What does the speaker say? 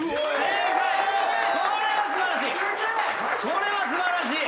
これは素晴らしい！